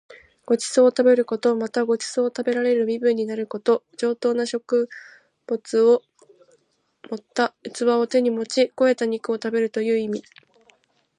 ご馳走を食べること。また、ご馳走を食べられる身分になること。上等な食物を盛った器を手に持ち肥えた肉を食べるという意味。